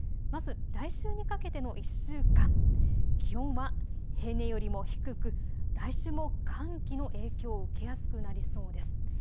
来週にかけての１週間、気温は平年よりも低く来週も寒気の影響を受けやすくなりそうです。